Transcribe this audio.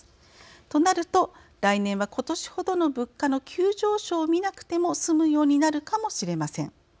となると、来年は今年ほどの物価の急上昇を見なくても済むようになるかもしれません。